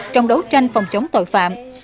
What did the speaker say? trong đấu tranh phòng chống tội phạm